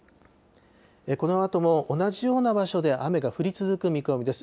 このあとも同じような場所で雨が降り続く見込みです。